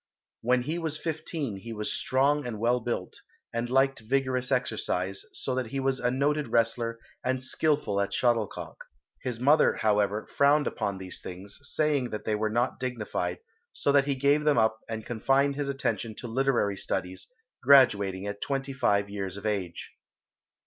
When he was fifteen he was strong and well built, and liked vigorous exercise, so that he was a noted wrestler and skilful at shuttlecock. His mother, however, frowned upon these things, saying that they were not dignified, so that he gave them up and confined his attention to literary studies, graduating at twenty five years of age.